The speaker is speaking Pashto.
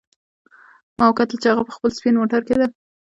ما وکتل چې هغه په خپل سپین موټر کې ده